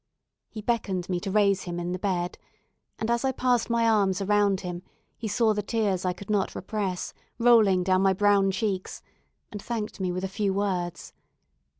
He beckoned me to raise him in the bed, and, as I passed my arms around him, he saw the tears I could not repress, rolling down my brown cheeks, and thanked me with a few words.